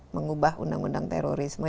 mengubah undang undang terorisme